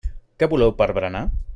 Què voleu per berenar?